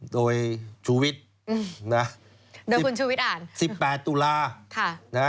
โดยชูวิทย์โดยคุณชูวิทย์อ่าน